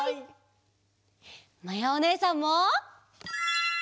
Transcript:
まやおねえさんも！